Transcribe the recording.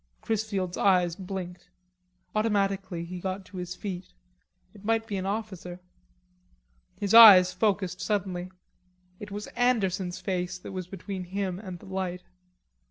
Chrisfield's eyes blinked. Automatically he got to his feet; it might be an officer. His eyes focussed suddenly. It was Anderson's face that was between him and the light.